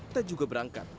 tak juga berangkat